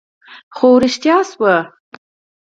خو رښتيا شو